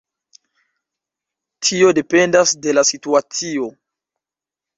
Tio dependas de la situacio.